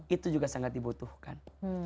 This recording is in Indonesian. itu juga sangat dibutuhkan